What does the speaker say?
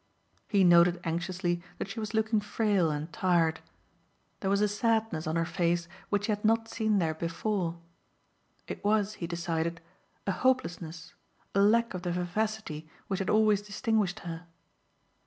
He noticed anxiously that she was looking frail and tired. There was a sadness on her face which he had not seen there before. It was, he decided, a hopelessness, a lack of the vivacity which had always distinguished her.